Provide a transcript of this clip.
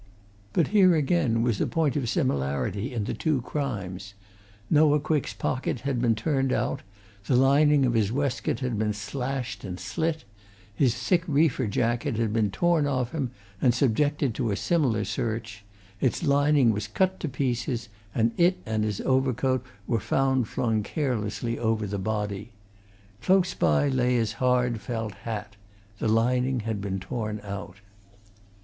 But here again was a point of similarity in the two crimes Noah Quick's pocket's had been turned out; the lining of his waistcoat had been slashed and slit; his thick reefer jacket had been torn off him and subjected to a similar search its lining was cut to pieces, and it and his overcoat were found flung carelessly over the body. Close by lay his hard felt hat the lining had been torn out.